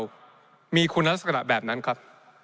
จะมีคุณธรรมศาสกระแบบนั้นครับ